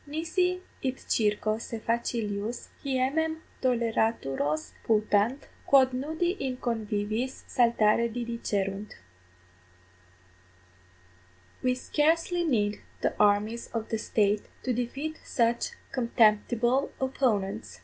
nisi idcirco se facilius hiemem toleraturos putant, quod nudi in conviviis saltare didicerunt. _We scarcely need the armies of the State to defeat such contemptible opponents.